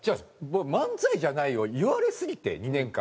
僕「漫才じゃない」を言われすぎて２年間。